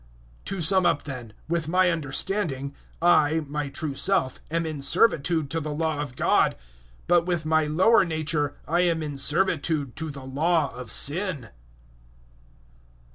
To sum up then, with my understanding, I my true self am in servitude to the Law of God, but with my lower nature I am in servitude to the Law of sin.